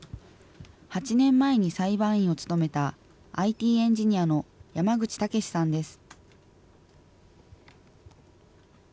８年前に裁判員を務めたＩＴエンジニアの山口威さんです。